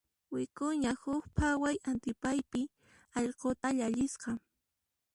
Wik'uña huk phaway atipaypi allquta llallisqa.